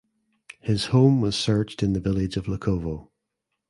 His home was searched in the village of Lukovo.